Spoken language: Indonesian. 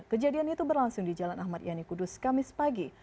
kejadian itu berlangsung di jalan ahmad yani kudus kamis pagi